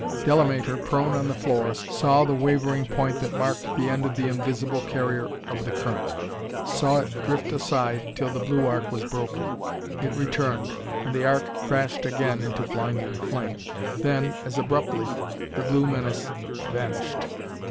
Delamater, prone on the floor, saw the wavering point that marked the end of the invisible carrier of the current saw it drift aside till the blue arc was broken. It returned, and the arc crashed again into blinding flame. Then, as abruptly, the blue menace vanished.